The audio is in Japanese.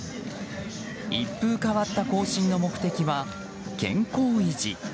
一風変わった行進の目的は健康維持。